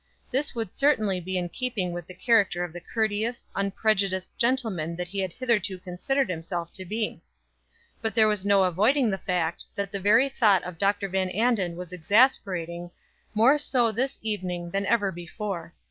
This would certainly be in keeping with the character of the courteous, unprejudiced gentleman that he had hitherto considered himself to be; but there was no avoiding the fact that the very thought of Dr. Van Anden was exasperating, more so this evening than ever before.